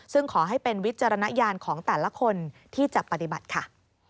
ซึ่งขอให้เป็นวิจารณญาณของแต่ละคนที่จะปฏิบัติค่ะ